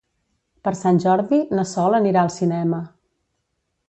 Per Sant Jordi na Sol anirà al cinema.